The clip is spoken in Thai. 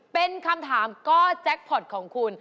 เป็นคำถามก็แจ็คพอร์ตของคุณ